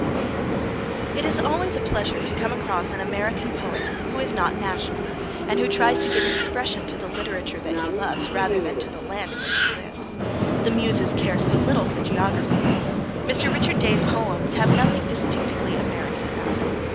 It is always a pleasure to come across an American poet who is not national, and who tries to give expression to the literature that he loves rather than to the land in which he lives. The Muses care so little for geography! Mr. Richard Day's Poems have nothing distinctively American about them.